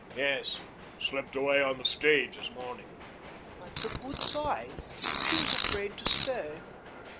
"Yes. Slipped away on the stage this morning." "That's a good sign. She was afraid to stay."